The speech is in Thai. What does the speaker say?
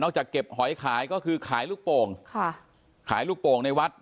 จากเก็บหอยขายก็คือขายลูกโป่งค่ะขายลูกโป่งในวัด